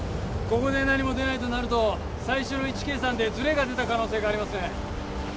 ここで何も出ないとなると最初の位置計算でズレが出た可能性がありますね